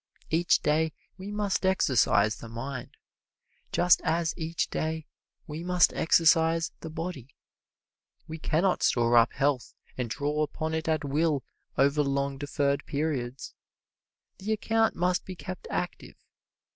Each day we must exercise the mind, just as each day we must exercise the body. We can not store up health and draw upon it at will over long deferred periods. The account must be kept active.